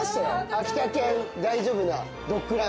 秋田犬大丈夫なドッグランが。